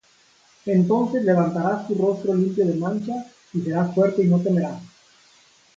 Entonces levantarás tu rostro limpio de mancha, Y serás fuerte y no temerás: